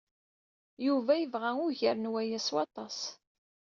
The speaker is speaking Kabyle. Yuba yebɣa ugar n waya s waṭas.